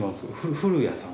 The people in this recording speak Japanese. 古谷さん。